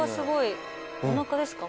おなかですか？